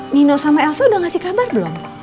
nino sama elsa udah ngasih kabar belum